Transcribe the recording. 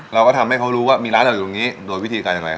เราก็ทำให้เขารู้ว่ามีร้านเราอยู่ตรงนี้โดยวิธีการอย่างไร